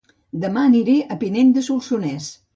Dema aniré a Pinell de Solsonès